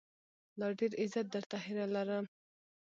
لا ډېر عزت، درته هيله لرم